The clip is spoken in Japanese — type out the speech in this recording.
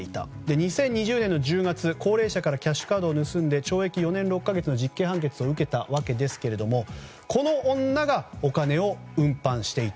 ２０２０年の１０月高齢者からキャッシュカードを盗んで懲役４年６か月の実刑判決を受けたわけですがこの女がお金を運搬していた。